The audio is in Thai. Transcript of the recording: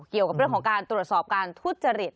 เกี่ยวกับเรื่องของการตรวจสอบการทุจริต